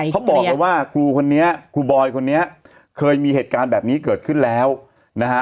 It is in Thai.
เขาบอกเลยว่าครูคนนี้ครูบอยคนนี้เคยมีเหตุการณ์แบบนี้เกิดขึ้นแล้วนะฮะ